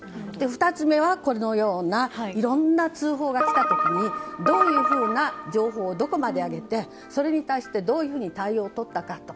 ２つ目は、このようないろいろな通報が来た時にどういうふうな情報をどこまで上げて、それに対してどういうふうに対応したかと。